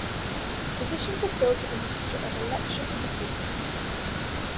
Positions are filled with a mixture of election and appointment.